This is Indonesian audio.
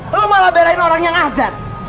lo malah berain orang yang azan